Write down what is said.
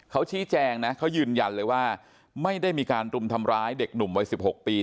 เขาชี้แจงนะเขายืนยันเลยว่าไม่ได้มีการรุมทำร้ายเด็กหนุ่มวัย๑๖ปี